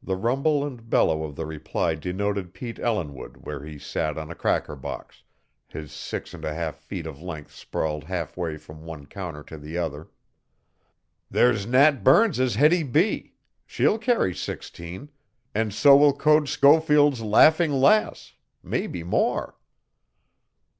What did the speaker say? The rumble and bellow of the reply denoted Pete Ellinwood where he sat on a cracker box, his six and a half feet of length sprawled halfway from one counter to the other. "There's Nat Burns's Hettie B. She'll carry sixteen, and so will Code Schofield's Laughing Lass mebbe more."